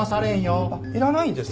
あっいらないんですか？